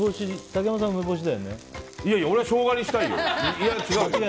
俺はショウガにしたいよ。